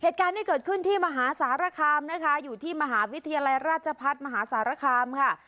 เหตุการณ์นี้เกิดขึ้นที่มหาสารคามนะคะอยู่ที่มหาวิทยาลัยราชพัฒน์มหาสารคามค่ะ